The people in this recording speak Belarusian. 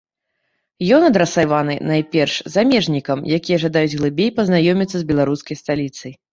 Ён адрасаваны, найперш, замежнікам, якія жадаюць глыбей пазнаёміцца з беларускай сталіцай.